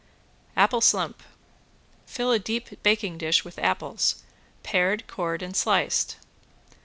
~APPLE SLUMP~ Fill a deep baking dish with apples, pared, cored and sliced.